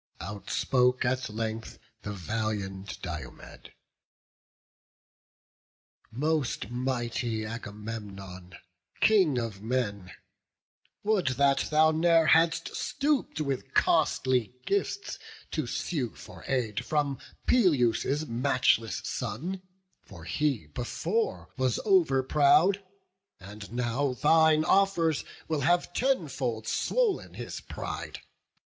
Outspoke at length the valiant Diomed: "Most mighty Agamemnon, King of men, Would that thou ne'er hadst stoop'd with costly gifts To sue for aid from Peleus' matchless son; For he before was over proud, and now Thine offers will have tenfold swoll'n his pride.